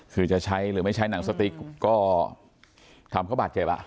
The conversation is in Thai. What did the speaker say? คือจะใช้หรือไม่ใช้หนังสติ๊กก็ทำเขาบาดเจ็บอ่ะ